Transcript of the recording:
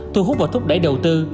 thu hút và thúc đẩy đầu tư